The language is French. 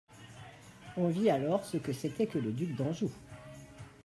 On vit alors ce que c'était que le duc d'Anjou.